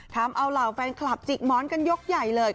ทำเอาเหล่าแฟนคลับจิกหมอนกันยกใหญ่เลย